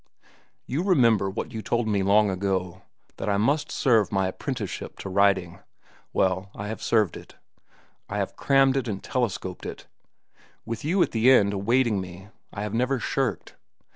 You remember what you told me long ago, that I must serve my apprenticeship to writing. Well, I have served it. I have crammed it and telescoped it. With you at the end awaiting me, I have never shirked.